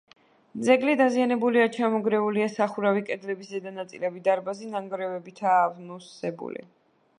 ძეგლი დაზიანებულია: ჩამონგრეულია სახურავი, კედლების ზედა ნაწილები, დარბაზი ნანგრევებითაა ამოვსებული.